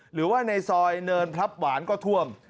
หรือว่าในซอยเนินพลับหวานก็ท่วม